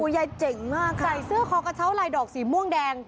ยายเจ๋งมากใส่เสื้อคอกระเช้าลายดอกสีม่วงแดง